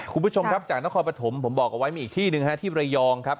คุณผู้ชมครับจากนครปฐมผมบอกเอาไว้มีอีกที่หนึ่งฮะที่ระยองครับ